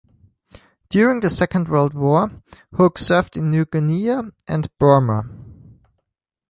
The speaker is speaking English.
During the Second World War Hook served in New Guinea and Burma.